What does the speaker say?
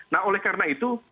nah oleh karena itu